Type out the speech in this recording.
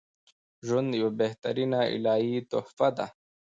ژوند یوه بهترینه الهی تحفه ده